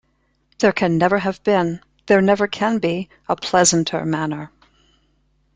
There never can have been, there never can be, a pleasanter manner.